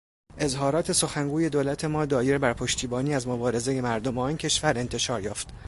اظهارات سخنگوی دولت ما دایر بر پشتیبانی از مبارزهٔ مردم آن کشور انتشار یافت.